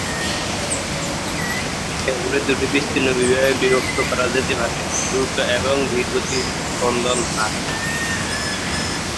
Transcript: এগুলি দুটি বিস্তৃত বিভাগে বিভক্ত করা যেতে পারে: দ্রুত এবং ধীর হৃৎস্পন্দন হার।